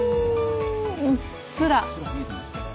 うっすら。